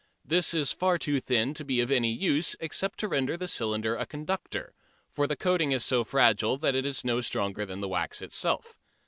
This is far too thin to be of any use, except to render the cylinder a conductor, for the coating is so fragile that it is no stronger than the wax itself.